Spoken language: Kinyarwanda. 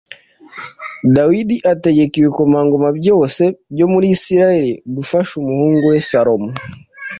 dawidi ategeka ibikomangoma byose byo muri isirayeli gufasha umuhungu we salomo